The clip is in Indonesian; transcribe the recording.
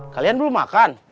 kalian belum makan